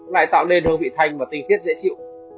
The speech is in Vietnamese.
lại tạo nên hương vị thanh và tinh thiết dễ chịu